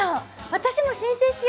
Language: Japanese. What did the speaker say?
私も申請しよ！